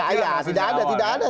iya tidak ada tidak ada